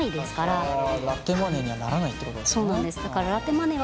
ラテマネーにはならないってことですね。